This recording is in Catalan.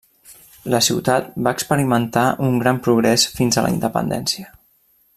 La ciutat va experimentar un gran progrés fins a la independència.